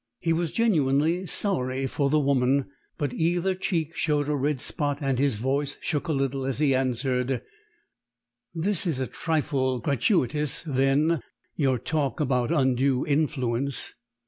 He was genuinely sorry for the woman. But either cheek showed a red spot and his voice shook a little as he answered, "This is a trifle gratuitous, then your talk about undue influence."